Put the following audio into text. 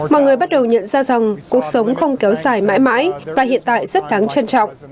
mọi người bắt đầu nhận ra rằng cuộc sống không kéo dài mãi mãi và hiện tại rất đáng trân trọng